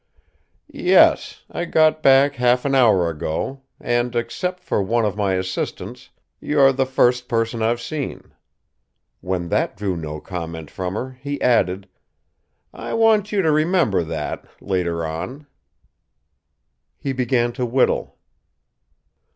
"Yes; I got back half an hour ago, and, except for one of my assistants, you're the first person I've seen." When that drew no comment from her, he added: "I want you to remember that later on." He began to whittle.